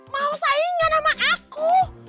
mau saingan sama aku